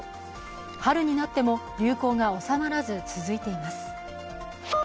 春になっても流行が収まらず、続いています。